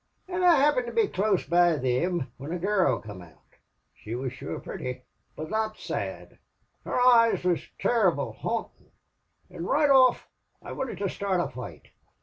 "An' I happened to be close by thim whin a gurl come out. She was shure purty. But thot sad! Her eyes wor turrible hauntin', an' roight off I wanted to start a foight.